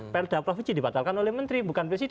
perda provinsi dibatalkan oleh menteri bukan presiden